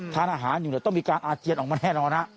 ทานอาหารอยู่ต้องมีการอาเจียนออกมาแน่นอนฮะ